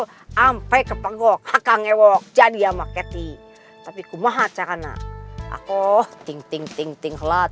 sampai ke pagok akan ewok jadi ama ketty tapi kumohon caranya aku ting ting ting ting ting ting